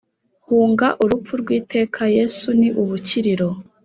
Hunga urupfu rw’iteka yesu ni ubukiriro